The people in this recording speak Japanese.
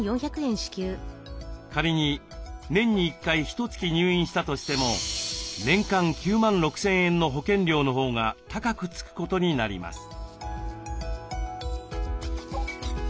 仮に年に１回ひとつき入院したとしても年間９万６，０００円の保険料のほうが高くつくことになります。